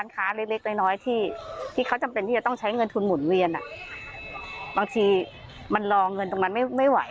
ที่เขาจำเป็นที่จะต้องใช้เงินทุนหมุนเวียนบางทีมันรอเงินตรงนั้นไม่ไหว